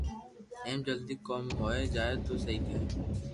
ايم جلدو ڪوم ھوئي جائين تو سھي ھي